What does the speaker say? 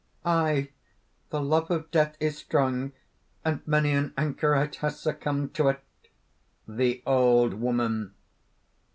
"Aye! the love of death is strong; and many a anchorite has succumbed to it." THE OLD WOMAN.